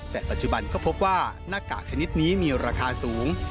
แต่ปัจจุบันก็พบว่าหน้ากากชนิดนี้มีราคาสูง